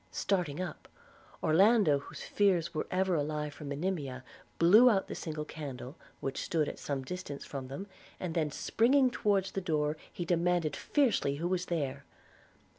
Starting up, Orlando, whose fears were ever alive for Monimia, blew out the single candle which stood at some distance from them; and then springing towards the door he demanded fiercely who was there.